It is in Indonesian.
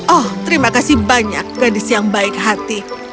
oh terima kasih banyak gadis yang baik hati